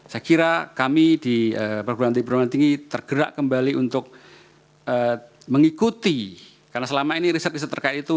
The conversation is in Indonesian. saya kira kami di perguruan tinggi perguruan tinggi tergerak kembali untuk mengikuti karena selama ini riset riset terkait itu